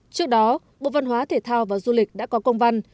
trước đó bộ văn hóa thể thao và du lịch đã có công văn